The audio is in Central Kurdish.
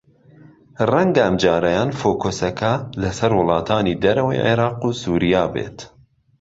رەنگە ئەمجارەیان فۆکووسەکە لەسەر وڵاتانی دەرەوەی عێراق و سووریا بێت